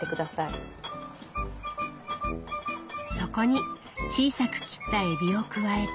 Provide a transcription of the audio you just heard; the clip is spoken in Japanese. そこに小さく切ったえびを加えて。